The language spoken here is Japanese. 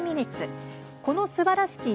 「このすばらしき